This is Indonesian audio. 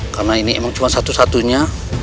karena ini emang cuma satu satunya